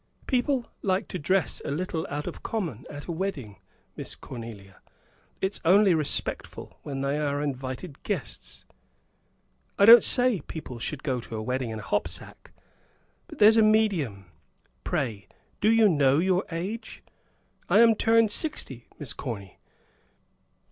"People like to dress a little out of common at a wedding, Miss Cornelia; it's only respectful, when they are invited guests." "I don't say people should go to a wedding in a hop sack. But there's a medium. Pray, do you know your age?" "I am turned sixty, Miss Corny."